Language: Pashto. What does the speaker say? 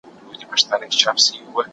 د وچکالی له امله د غنمو حاصلات کم سول.